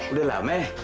udah lah me